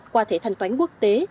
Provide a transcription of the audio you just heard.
qua thể thanh toán quốc tế